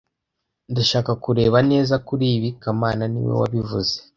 Ndashaka kureba neza kuri ibi kamana niwe wabivuze